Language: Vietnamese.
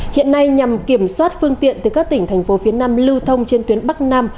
hiện nay nhằm kiểm soát phương tiện từ các tỉnh thành phố phía nam lưu thông trên tuyến bắc nam